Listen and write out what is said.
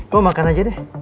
lo makan aja deh